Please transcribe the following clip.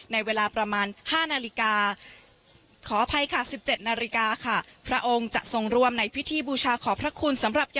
ในเวลาประมาณ๕นาฬิกา